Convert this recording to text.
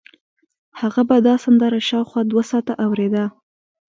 هغه به دا سندره شاوخوا دوه ساعته اورېده